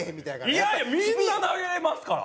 いやいやみんな投げれますから。